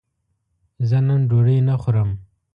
زه نن ډوډی نه خورم